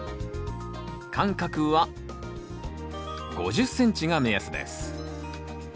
間隔は５０ｃｍが目安です。